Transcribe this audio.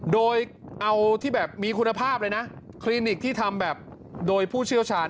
โดยเอาที่แบบมีคุณภาพเลยนะคลินิกที่ทำแบบโดยผู้เชี่ยวชาญ